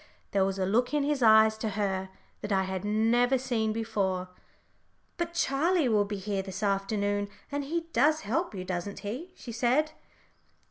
There was a look in his eyes to her that I had never seen before. "But Charlie will be here this afternoon, and he does help you, doesn't he?" she said.